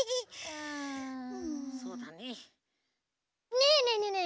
ねえねえねえねえ